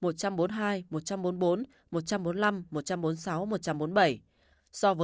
so với bộ luật hình sự năm một nghìn chín trăm chín mươi chín